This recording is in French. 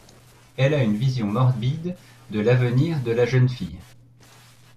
Elle a une vision morbide de l'avenir de la jeune fille.